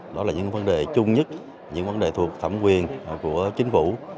đó là những vấn đề chung nhất những vấn đề thuộc thẩm quyền của chính phủ